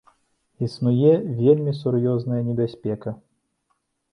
Існуе вельмі сур'ёзная небяспека.